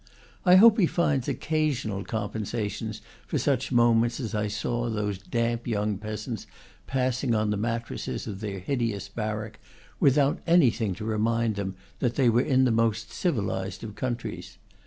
I hope he finds occasional com pensation for such moments as I saw those damp young peasants passing on the mattresses of their hideous barrack, without anything around to remind them that they were in the most civilized of countries.